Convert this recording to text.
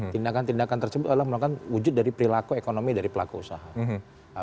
tindakan tindakan tersebut adalah melakukan wujud dari perilaku ekonomi dari pelaku usaha